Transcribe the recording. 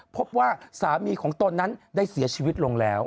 พบว่าสามีของตนนั้นได้เสียชีวิตลงแล้ว